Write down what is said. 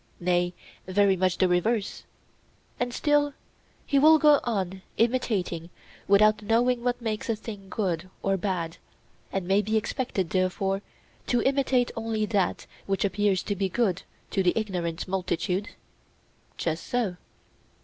Nay, very much the reverse. And still he will go on imitating without knowing what makes a thing good or bad, and may be expected therefore to imitate only that which appears to be good to the ignorant multitude? Just so.